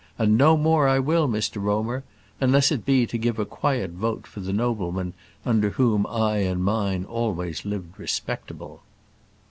And no more I will, Mr Romer unless it be to give a quiet vote for the nobleman under whom I and mine always lived respectable."